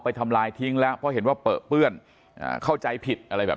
ทำลายทิ้งแล้วเพราะเห็นว่าเปลือเปื้อนอ่าเข้าใจผิดอะไรแบบ